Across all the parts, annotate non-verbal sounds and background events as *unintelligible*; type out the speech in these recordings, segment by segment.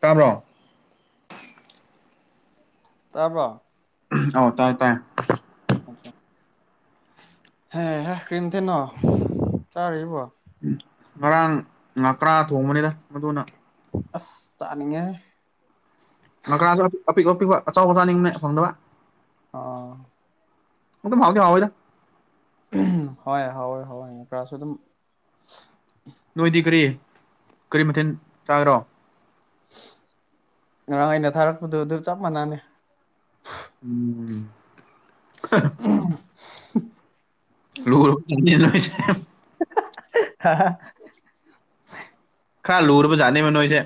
ꯇꯥꯕ꯭ꯔꯣ ꯇꯥꯕꯔꯣ ꯑꯧ ꯇꯥꯏꯌꯦ ꯇꯥꯏꯌꯦ ꯍꯦ ꯍ ꯀꯔꯤ ꯃꯊꯦꯜꯅꯣ ꯆꯥꯔꯤꯕꯣ ꯎꯝ ꯉꯔꯥꯡ ꯉꯥꯀ꯭ꯔꯥ ꯊꯣꯡꯕꯅꯤꯗ ꯃꯗꯨꯅ ꯑꯁ ꯆꯥꯅꯤꯉꯦ ꯉꯥꯀ꯭ꯔꯥ ꯑꯄꯤꯛ ꯑꯄꯤꯛꯄ ꯑꯆꯧꯕ ꯆꯥꯅꯤꯡꯕꯅꯦ ꯐꯪꯗꯕ ꯑꯥ ꯑꯗꯨꯝ ꯍꯥꯎꯗꯤꯍꯥꯎ ꯏꯗ ꯍꯣꯏ ꯍꯥꯎꯋꯦ -ꯍꯥꯎꯋꯦ ꯈꯔꯁꯨ ꯑꯗꯨꯝ ꯅꯣꯏꯗꯤ ꯀꯔꯤ ꯀꯔꯤ ꯃꯊꯦꯜ ꯆꯥꯈ꯭ꯔꯣ ꯉꯔꯥꯡ ꯑꯩꯅ ꯊꯥꯔꯛꯄꯗꯨ ꯑꯗꯨ ꯆꯞ ꯃꯥꯟꯅꯅꯤ ꯎꯝ *unintelligible* *unintelligible* ꯍꯥ ꯍꯥ ꯈꯔ ꯂꯨꯔꯕꯖꯥꯠꯅꯦꯕ ꯅꯣꯏꯁꯦ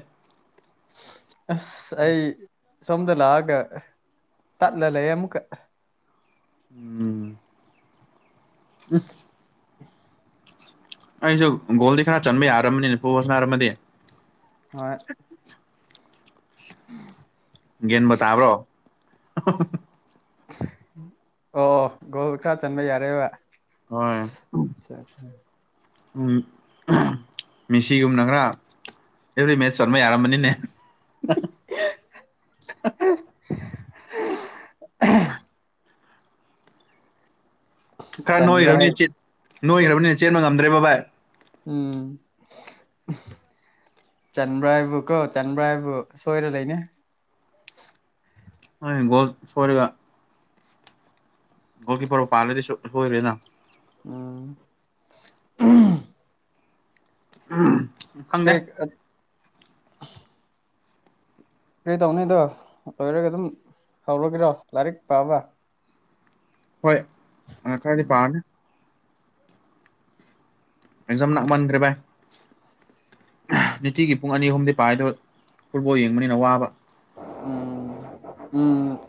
ꯑꯁ ꯑꯩ ꯁꯣꯝꯗ ꯂꯥꯛꯑꯒ ꯇꯠꯂ ꯂꯩꯔꯦ ꯑꯃꯨꯛꯀ ꯎꯝ *unintelligible* ꯑꯩꯁꯨ ꯒꯣꯜꯗꯤ ꯈꯔ ꯆꯟꯕ ꯌꯥꯔꯕꯅꯤ ꯐꯨꯠ ꯕꯣꯟ ꯁꯥꯅꯔꯝꯃꯗꯤ ꯍꯣꯏ ꯒꯌ꯭ꯥꯟ ꯕꯨ ꯇꯕꯔꯣ ꯑꯣ ꯒꯣꯜ ꯈꯔ ꯆꯟꯕ ꯌꯥꯔꯦꯕ ꯍꯣꯏ ꯎꯝ ꯃꯦꯁꯤꯒꯨꯝꯅ ꯈꯔ ꯑꯦꯕ꯭ꯔꯤ ꯃꯦꯆ ꯆꯟꯕ ꯌꯥꯔꯝꯃꯅꯤꯅꯦ *inaudible* ꯈꯔ ꯆꯟꯕ꯭ꯔꯥ ꯍꯥꯏ ꯅꯣꯏꯈ꯭ꯔꯕꯅꯤ ꯅꯣꯏꯈ꯭ꯔꯕꯅꯤꯅ ꯆꯦꯟꯕ ꯉꯝꯗ꯭ꯔꯦꯕ ꯕꯥꯏ ꯎꯝ ꯆꯥꯟꯕ꯭ꯔ ꯍꯥꯏꯕꯨ ꯀꯣ ꯆꯥꯟꯕ꯭ꯔ ꯍꯥꯏꯕꯨ ꯁꯣꯏꯔ ꯂꯩꯅꯦ ꯕꯣꯜ ꯊꯣꯏꯔꯒ ꯍꯣꯜꯀꯤꯄꯔ ꯄꯥꯂꯦꯗꯤꯁꯨ ꯍꯣꯏꯔꯦ ꯅ ꯎꯝ ꯎꯝ ꯎ ꯈꯪꯗꯦ ꯀꯔꯤ ꯀꯔꯤ ꯇꯧꯅꯤ ꯑꯗꯣ ꯂꯣꯏꯔꯒ ꯑꯗꯨꯝ ꯍꯧꯔꯒꯦꯔꯣ ꯂꯥꯏꯔꯤꯛ ꯄꯥꯕ ꯍꯣꯏ ꯈꯔꯗꯤ ꯄꯥꯔꯅꯤ ꯑꯦꯖꯝ ꯅꯛꯃꯟꯇ꯭ꯔꯦ ꯕꯥꯏ ꯅꯨꯡꯇꯤꯒꯤ ꯄꯨꯡ ꯑꯅꯤ ꯑꯍꯨꯝꯗꯤ ꯄꯥꯏꯗꯣ ꯐꯨꯠꯕꯣꯜ ꯌꯦꯡꯕꯅꯤꯅ ꯋꯥꯕ ꯎꯝ ꯎꯝ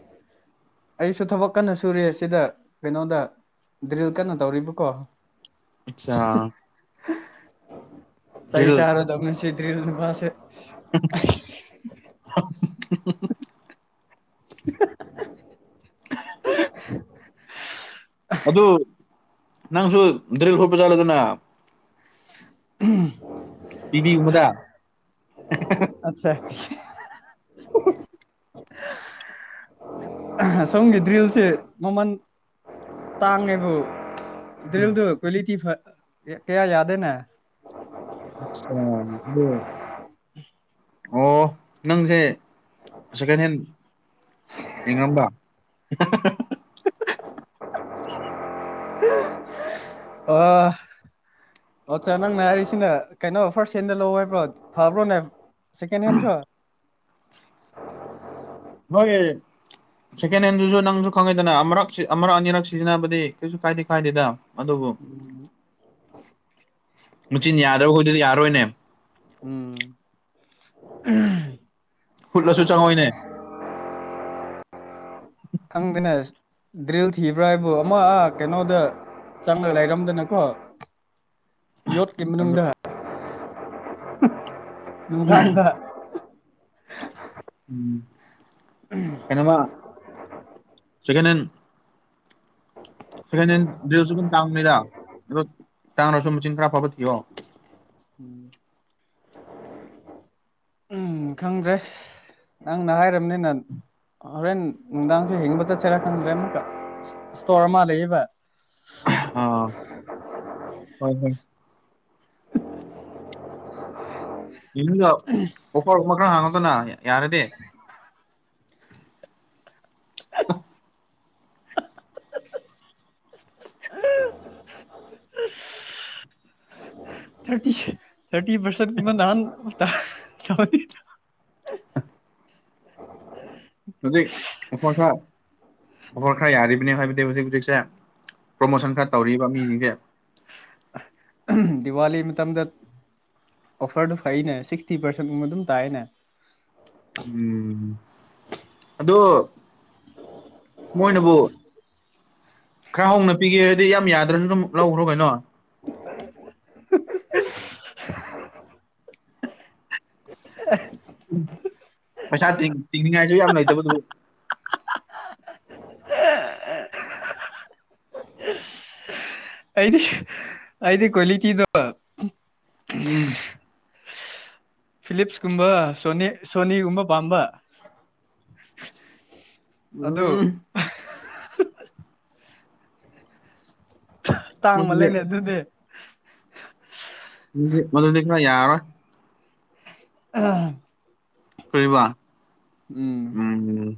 ꯑꯩꯁꯨ ꯊꯕꯛ ꯀꯟꯅ ꯁꯨꯨꯔꯦ ꯁꯤꯗ ꯀꯩꯅꯣꯗ ꯗ꯭ꯔꯤꯜ ꯀꯟꯅ ꯇꯧꯔꯤꯕꯀꯣ ꯑꯆꯥ ꯁꯩ ꯗ꯭ꯔꯤꯜ ꯆꯥꯔꯣ ꯑꯗꯨꯝꯃꯦ ꯁꯤꯗ꯭ꯔꯤꯜ ꯅꯤꯄꯥꯥꯁꯦ *inaudible* *unintelligible* ꯑꯗꯨ ꯅꯪꯁꯨ ꯗ꯭ꯔꯤꯜ ꯍꯨꯠꯄ ꯆꯠꯂꯣꯗꯅ ꯎꯝ ꯄꯤꯕꯤꯒꯨꯝꯕꯗ ꯑꯆꯥ *inaudible* ꯁꯣꯝꯒꯤ ꯗ꯭ꯔꯤꯜꯁꯦ ꯃꯃꯜ ꯇꯥꯡꯉꯦꯕꯨ ꯗ꯭ꯔꯤꯜꯗꯨ ꯀ꯭ꯋꯂꯤꯇꯤ ꯐ ꯀꯌꯥ ꯌꯥꯗꯦꯅꯦ ꯑꯆꯥ ꯑꯣ ꯅꯪꯁꯦ ꯁꯦꯀꯦꯟ ꯍꯦꯟ ꯌꯦꯔꯝꯕ ꯑ *inaudible* ꯑꯣꯆꯥ ꯅꯪꯅ ꯍꯥꯏꯔꯤꯁꯤꯅ ꯀꯩꯅꯣ ꯐꯥꯔꯁꯠ ꯍꯦꯟꯗ ꯂꯧ ꯍꯥꯏꯕ꯭ꯔꯣ ꯐꯕ꯭ꯔꯣꯅꯦ ꯁꯦꯀꯦꯟ ꯍꯦꯟꯁꯨ ꯃꯣꯢ ꯁꯦꯀꯦꯟ ꯍꯦꯟꯗꯨꯁꯨ ꯅꯪꯁꯨ ꯈꯪꯉꯦꯗꯅ ꯑꯃꯛ ꯑꯃꯔꯛ ꯑꯅꯤꯔꯛ ꯁꯤꯖꯤꯟꯅꯕꯗꯤ ꯀꯩꯁꯨ ꯀꯥꯏꯗꯦ ꯀꯥꯏꯗꯦꯗ ꯑꯗꯨꯕꯨ ꯃꯆꯤꯟ ꯌꯥꯗ꯭ꯔꯕꯈꯣꯏꯗꯨꯗꯤ ꯌꯥꯔꯔꯣꯏꯅꯦ ꯎꯝ ꯐꯨꯠꯂꯁꯨ ꯆꯪꯉꯣꯏꯅꯦ ꯈꯪꯗꯦꯅꯦ ꯗ꯭ꯔꯤꯜ ꯊꯤꯕ꯭ꯔꯥ ꯍꯥꯏꯕꯨ ꯑꯃ ꯑ ꯀꯩꯅꯣꯗ ꯆꯪꯂꯒ ꯂꯩꯔꯝꯗꯅꯀꯣ ꯌꯣꯠꯀꯤ ꯑꯗꯣ ꯃꯅꯨꯡꯗ ꯅꯨꯡꯗꯥꯡꯗ ꯀꯩꯅꯣ ꯃꯥ ꯁꯦꯀꯦꯟ ꯍꯦꯟ ꯁꯦꯀꯦꯟ ꯍꯦꯟ ꯗ꯭ꯔꯤꯜꯁꯨ ꯑꯗꯨꯝ ꯇꯥꯡꯕꯅꯤꯗ ꯑꯗꯣ ꯇꯥꯡꯔꯁꯨ ꯃꯁꯤꯟ ꯈꯔ ꯐꯕ ꯊꯤꯌꯣ ꯎꯝ ꯎꯝ ꯈꯪꯗ꯭ꯔꯦ ꯅꯪꯅ ꯍꯥꯏꯔꯕꯅꯤꯅ ꯍꯣꯔꯦꯟ ꯅꯨꯡꯗꯥꯡꯁꯨ ꯌꯦꯡꯕ ꯆꯠꯁꯦꯔꯥ ꯈꯟꯗ꯭ꯔꯦ ꯑꯃꯨꯛꯀ ꯏꯁꯇꯣꯔ ꯑꯃ ꯂꯩꯕ ꯑꯣ ꯍꯣꯏ ꯍꯣꯏ ꯌ ꯑꯣꯐꯔꯒꯨꯝꯕ *inaudible* ꯈꯔ ꯍꯥꯡꯉꯗꯅ ꯌꯥꯔꯗꯤ ꯑꯥ ꯎ *inaudible* ꯊꯔꯇꯤ ꯊꯔꯇꯤ ꯄꯔꯁꯦꯟ ꯅꯍꯥꯜ ꯍꯧꯖꯤꯛ ꯑꯩꯐꯣꯏ *inaudible* ꯁꯥꯥ ꯑꯣꯐꯔ ꯈꯔ ꯌꯥꯔꯤꯕꯅꯦ ꯍꯥꯏꯕꯗꯤ ꯍꯧꯖꯤꯛ ꯍꯧꯖꯤꯛꯁꯦ ꯄ꯭ꯔꯣꯃꯣꯁꯟ ꯈꯔ ꯇꯧꯔꯤꯕ ꯃꯤꯁꯤꯡꯁꯦ ꯗꯤꯋꯥꯂꯤ ꯃꯇꯝꯗ ꯑꯣꯐꯔꯗꯣ ꯐꯩꯅꯦ ꯁꯤꯛꯁꯇꯤ ꯄꯥꯔꯁꯦꯟꯒꯨꯝꯕ ꯑꯗꯨꯝ ꯇꯥꯏꯌꯦꯅꯦ ꯎꯝ ꯑꯗꯣ ꯃꯣꯏꯅꯕꯨ ꯈꯔ ꯍꯣꯛꯅ ꯄꯤꯒꯦ ꯍꯥꯏꯗꯤ ꯌꯥꯝ ꯌꯥꯗ꯭ꯔꯁꯨ ꯑꯗꯨꯝ ꯂꯧꯈ꯭ꯔꯣ ꯀꯩꯅꯣ ꯄꯩꯁꯥ ꯇꯤꯡꯅꯤꯡꯉꯥꯏꯁꯨ ꯌꯥꯝ ꯂꯩꯇꯕ ꯑꯗꯨꯕꯨ ꯑꯩꯗꯤ ꯑꯩꯗꯤ ꯀꯨꯂꯤꯛꯇꯗꯣ ꯎꯝ ꯐꯤꯂꯤꯞꯁꯀꯨꯝꯕ ꯁꯣꯅꯤ ꯁꯣꯅꯤꯒꯨꯝꯕ ꯄꯥꯝꯕ ꯎꯝ ꯑꯗꯨ ꯃꯗꯨꯗꯤ ꯇꯥꯡꯃꯥꯜꯂꯦꯅꯦ ꯑꯗꯨꯗꯤ ꯃꯗꯨꯗꯤ ꯈꯔ ꯌꯥꯔꯔꯣꯢ ꯑꯥ ꯀꯔꯤꯕ ꯎꯝ ꯎꯝ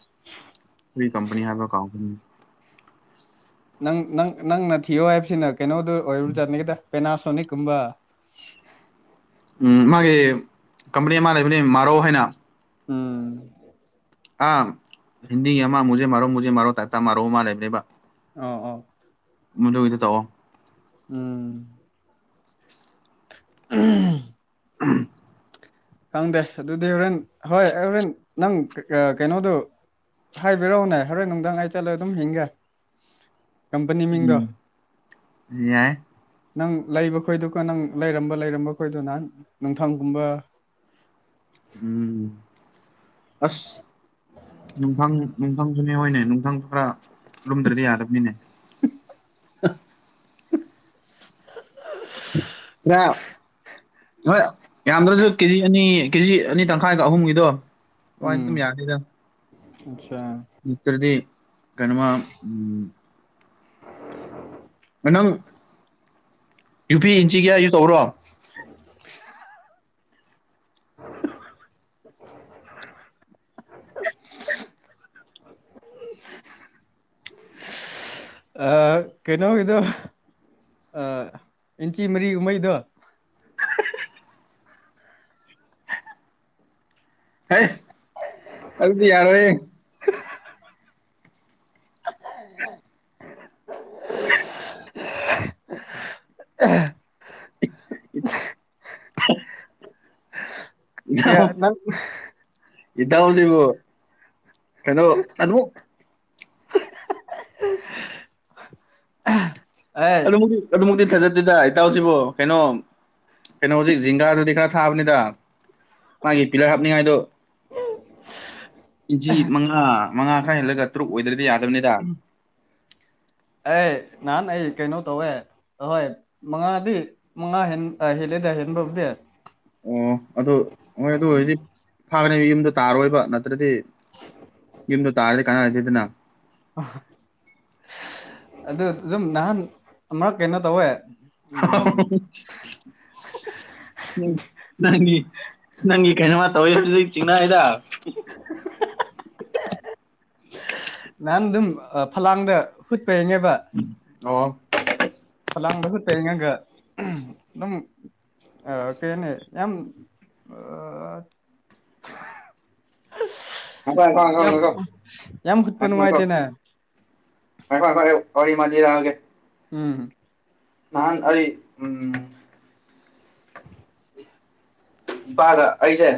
*unintelligible* ꯀꯩ ꯀꯥꯝꯕꯅꯤ ꯍꯥꯏꯕ ꯀꯥꯎꯈ꯭ꯔꯦꯅꯦ ꯅꯪ ꯅꯪ ꯅꯪꯅ ꯊꯤꯌꯣ ꯍꯥꯏꯕꯁꯤꯅ ꯀꯩꯅꯣꯗꯨ ꯑꯣꯏꯕꯖꯠꯅꯤꯗ ꯄꯦꯅꯥꯁꯣꯅꯤꯛꯀꯨꯝꯕ ꯃꯥꯒꯤ ꯀꯝꯄꯅꯤ ꯑꯃ ꯂꯩꯕꯅꯤ ꯃꯥꯔꯣ ꯍꯥꯏꯅ ꯎꯝ ꯑꯥ ꯍꯤꯟꯗꯤ ꯑꯃ ꯃꯨꯖꯦ ꯃꯥꯔꯦ ꯃꯨꯔꯣ ꯇꯥꯥꯢꯞꯇ ꯑꯃ ꯂꯩꯕꯅꯦ ꯑꯥꯎ ꯑꯥꯎ ꯃꯗꯨ ꯑꯣꯢꯅ ꯇꯧꯑꯣ ꯎꯝ ꯎꯝ *inaudible* ꯎꯝ ꯈꯪꯗꯦ ꯑꯗꯨꯗꯤ ꯍꯣꯔꯦꯟ ꯍꯣꯏ ꯑꯩ ꯍꯣꯔꯦꯟ ꯅꯪ ꯀꯩꯅꯣꯗꯨꯣ ꯍꯥꯏꯕꯤꯔꯛꯎꯅꯦ ꯍꯣꯔꯦꯟ ꯅꯨꯡꯗꯥꯥꯡ ꯑꯩ ꯆꯠꯂ ꯑꯗꯨꯝ ꯍꯤꯡꯒꯦ ꯀꯝꯄꯅꯤ ꯃꯤꯡꯗꫭ ꯎꯝ ꯌꯥꯏ ꯅꯪ ꯂꯩꯕ ꯈꯣꯏꯗꯨꯀ ꯅꯪ ꯂꯩꯔꯝꯕ ꯂꯩꯔꯝꯕ ꯈꯣꯏꯗꯨꯅ ꯅꯨꯡꯊꯪꯒꯨꯝꯕ ꯎꯝ ꯑꯁ ꯅꯨꯡꯐꯪ ꯅꯨꯡꯊꯪꯁꯨꯅꯦ ꯍꯣꯏꯅꯦ ꯅꯨꯡꯊꯪ ꯈꯔ ꯂꯨꯝꯗ꯭ꯔꯗꯤ ꯌꯥꯗꯕꯅꯤꯅꯦ ꯌꯥ *unintelligible* ꯅꫭꯏ ꯌꯥꯝꯗ꯭ꯔꯖꯨ ꯀꯦꯖꯤ ꯑꯅꯤ ꯀꯦꯖꯤ ꯑꯅꯤ ꯇꯪꯈꯥꯏꯒ ꯑꯍꯨꯝꯒꯤꯗꯣ ꯑꯗꯨꯃꯥꯏꯅ ꯑꯗꯨꯝ ꯎꯝ ꯌꯥꯅꯤꯗ ꯑꯆꯥ ꯅꯠꯇ꯭ꯔꯗꯤ ꯀꯩꯅꫭꯃ ꯅꯪ ꯌꯨꯄꯤ ꯏꯟꯆꯤ ꯀꯌꯥꯒꯤ ꯇꯧꯕ꯭ꯔꯣ *inaudible* *inaudible* *unintelligible* ꯀꯩꯅꯣꯒꯤꯗꯣ ꯏꯟꯆꯤ ꯃꯔꯤ ꯀꯨꯝꯕꯩꯗꯣ ꯍꯦ ꯑꯗꯨꯗꯤ ꯌꯥꯔꯣꯏꯍꯦ ꯑ *inaudible* *unintelligible* ꯏ꯭ꯅꯣ ꯀꯌꯥ ꯅꯪ ꯏꯇꯥꯎ ꯁꯤꯕꯨ ꯀꯩꯅꯣ ꯑꯗꯨꯕꯨ ꯑꯦ ꯑꯗꯨꯛꯃꯛ ꯑꯗꯨꯨꯛꯃꯛꯇꯤ ꯊꯥꯖꯦꯗꯦꯗ ꯇ ꯁꯤꯕꯣ ꯀꯩꯅꯣ ꯀꯩꯅꯣ ꯍꯧꯖꯤꯛ ꯖꯤꯡꯒꯥꯗꯨꯗꯤ ꯈꯔ ꯊꯥꯕꯅꯤꯗ ꯃꯥꯒꯤ ꯄꯤꯂꯔ ꯍꯥꯞꯅꯤꯡꯉꯥꯏꯗꯣ ꯏꯟꯆꯤ ꯃꯪꯉꯥ ꯃꯪꯉꯥ ꯈꯔ ꯍꯦꯜꯂꯒ ꯇꯔꯨꯛ ꯑꯣꯏꯗ꯭ꯔꯗꯤ ꯌꯥꯗꯕꯅꯤꯗ ꯑꯦ ꯅꯍꯥꯟ ꯑꯩ ꯀꯩꯅꯣ ꯇꯧꯋꯦ ꯑꯍꯣꯏ ꯃꯪꯉꯥꯗꯤ ꯃꯪꯍꯦꯟ ꯍꯦꯜꯂꯦꯗ ꯍꯦꯟꯕꯕꯨꯗꯤ ꯑꯣ ꯑꯗꯨ ꯍꯣꯏ ꯑꯗꯨ ꯑꫭꯏꯗꯤ ꯐꯥꯒꯅꯤ ꯌꯨꯝꯗ ꯇꯥꯔꯣꯏꯕ ꯅꯠꯇ꯭ꯔꯗꯤ ꯌꯨꯝꯗ ꯇꯥꯔꯗꯤ ꯀꯥꯟꯅꯗꯔꯦꯗꯅ ꯑ ꯑꯗꯨ ꯁꯨꯝ ꯅꯍꯥꯟ ꯑꯃ ꯀꯩꯅꯣ ꯇꯧꯋꯦ ꯎꯝ ꯎꯝ ꯅꯪ ꯅꯪꯒꯤ ꯀꯩꯅꫭꯃ ꯇꯧꯋꯦ ꯍꯥꯏꯕꯗꯨꯗꯤ ꯆꯤꯡꯅꯩꯗ ꯅꯍꯥꯟ ꯑꯗꯨꯝ ꯐꯂꯥꯡꯗ ꯍꯨꯠꯄꯅꯦꯕ ꯎꯝ ꯑꯣ ꯐꯂꯥꯡꯗ ꯍꯨꯠꯄ ꯌꯦꯡꯉꯒ ꯑꯗꯨꯝ ꯑ ꯀꯩꯍꯥꯏꯅꯤ ꯌꯥꯝ ꯑ ꯑꯣꯀꯣ ꯌꯥꯝ ꯌꯥꯝ ꯍꯨꯠꯄ ꯅꯨꯡꯉꯥꯏꯇꯦꯅꯦ *unintelligible* ꯃ ꯍꯔ ꯀꯔꯤ ꯃꯖꯤ ꯂꯎꯦ *unintelligible* ꯎꯝ ꯅꯍꯥꯟ ꯑꯩ ꯎꯝ ꯏꯄꯥꯒ ꯑꯩꯁꯦ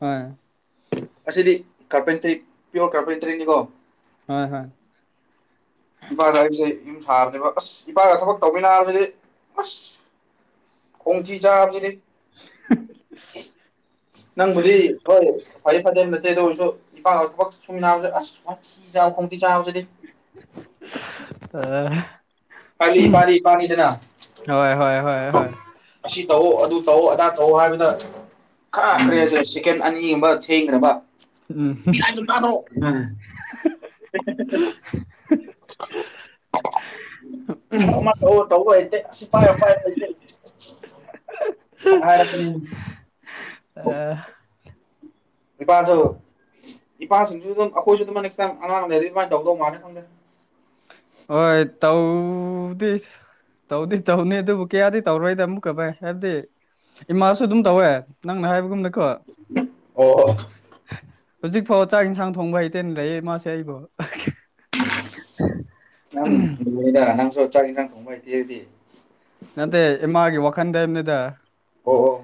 ꯃꯥꯅꯦ ꯑꯁꯤꯗꯤ ꯀꯥꯔꯄꯦꯟꯇꯔꯤ ꯄꯤꯌꯣꯔ ꯀꯥꯔꯄꯦꯟꯇꯔꯤꯅꯤꯀꯣ ꯍꯣꯏ ꯍꯣꯏ ꯏꯄꯥꯒ ꯑꯩꯁꯦ ꯌꯨꯝ ꯁꯥꯕꯅꯦꯕ ꯑꯁ ꯏꯄꯥꯒ ꯊꯕꯛ ꯇꯧꯃꯤꯟꯅꯕꯁꯤ ꯑꯁ ꯀꯣꯡꯊꯤ ꯆꯥꯕꯖꯤꯗꯤ ꯅꯪꯕꯨ ꯐ ꯐ *unintelligible* ꯑꯣꯏꯔꯁꯨ ꯏꯄꯥꯛ ꯊꯛ ꯁꯨꯝ ꯅꯥꯁ ꯑꯁ ꯈꯣꯡꯇꯤ ꯆꯥꯕꯁꯤꯗꯤ ꯑ ꯀꯂꯤ ꯄꯂꯤ ꯏꯄꯥꯅꯤꯗꯅ ꯍꯣꯏ ꯍꯣꯏ ꯍꯣꯏ ꯍꯣꯏ ꯑꯁꯤ ꯇꯧꯑꯣ ꯑꯗꯨ ꯇꯧꯑꯣ ꯑꯗꯥ ꯇꯧꯑꯣ ꯍꯥꯏꯕꯗ ꯈꯔ ꯎꯝ ꯀꯔꯤꯍꯥꯁꯦ ꯁꯦꯀꯦꯟ ꯑꯅꯤ ꯃꯤ ꯊꯦꯡꯈ꯭ꯔꯕ ꯎꯝ *unintelligible* ꯇꯥꯗ꯭ꯔꯣ *inaudible* ꯊꯕꯛ ꯑꯃ ꯇꯧꯑꯣ ꯇꯧꯕ ꯍꯩꯇꯦ ꯑꯁꯤ ꯄꯥꯏꯔꯣ ꯄꯥꯏꯔꯣ ꯍꯩꯇꯦ *unintelligible* *inaudible* ꯏꯄꯥꯁꯨ ꯏꯄꯥꯁꯤꯡꯁꯨ ꯑꯗꯨꯝ ꯑꯩꯈꯣꯏꯁꯨ ꯑꯗꯨꯝꯃ ꯅꯦꯛꯁ ꯇꯥꯏꯝ ꯑꯉꯥꯡ ꯂꯩꯔꯗꯤ ꯑꯗꯨꯃꯥꯏꯅ ꯇꯧꯗꯧ ꯃꯥꯜꯂꯦ ꯈꯪꯗꯦ ꯍꯣꯏ ꯇꯧꯗꯤꯁ ꯇꯧꯗꯤ ꯇꯧꯅꯤ ꯑꯗꯨꯕꯨ ꯀꯌꯥꯗꯤ ꯇꯧꯔꯣꯏꯗ ꯑꯃꯨꯛꯀꯚꯥꯏ ꯍꯥꯏꯕꯗꯤ ꯏꯃꯥꯁꯨ ꯑꯗꯨꯝ ꯇꯧꯋꯦ ꯅꯪꯅ ꯍꯥꯏꯕꯒꯨꯝꯅꯀꯣ ꯑꯣ ꯍꯧꯖꯤꯛ ꯐꯥꯎ ꯆꯥꯛ ꯌꯦꯟꯁꯥꯡ ꯊꯣꯡꯕ ꯍꯩꯇꯦꯅ ꯂꯩ ꯃꯥꯁꯦ ꯑꯩꯕꯨ ꯎ *unintelligible* ꯅꯪꯗ ꯅꯪꯁꯨ ꯆꯥꯛ ꯏꯟꯁꯥꯡ ꯊꯣꯡꯕ ꯍꯩꯇꯦꯔꯗꯤ ꯅꯠꯇꯦ ꯏꯃꯥꯒꯤ ꯋꯥꯈꯟꯗꯅꯤꯗ ꯑꯣ ꯑꫭ